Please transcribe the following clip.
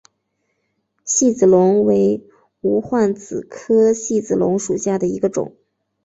细子龙为无患子科细子龙属下的一个种。